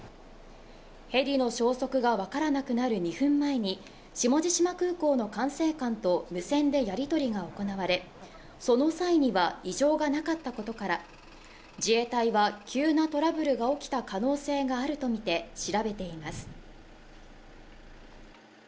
ヘリの消息が分からなくなる２分前に下地島空港の管制官と無線でやりとりが行われ、その際には、異常がなかったことから、自衛隊は急なトラブルが起きた可能性があるとみて調べています。